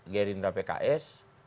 gerindra dan pks